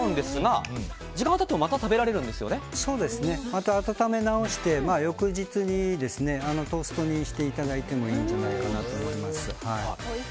また温め直して、翌日にトーストにしていただいてもいいんじゃないかなと思います。